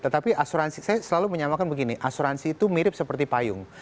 tetapi asuransi saya selalu menyamakan begini asuransi itu mirip seperti payung